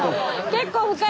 結構深い。